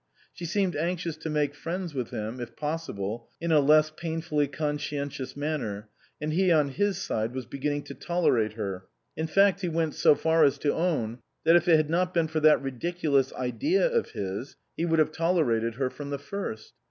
She seemed anxious to make friends with him if possible in a less painfully conscientious manner, and he, on his side, was beginning to tolerate her. In fact he went so far as to own that if it had not been for that ridiculous idea of his, he would have tolerated her from the first.